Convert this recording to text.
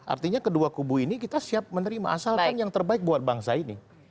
artinya kedua kubu ini kita siap menerima asalkan yang terbaik buat bangsa ini